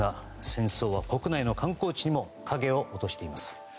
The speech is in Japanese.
戦争は国内の観光地にも影を落としています。